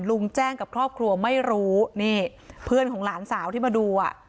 ลุงแจ้งกับครอบครัวไม่รู้นี่เพื่อนของหลานสาวที่มาดูอ่ะ